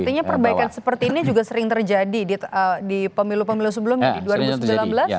artinya perbaikan seperti ini juga sering terjadi di pemilu pemilu sebelumnya di dua ribu sembilan belas